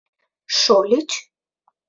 — Шольыч?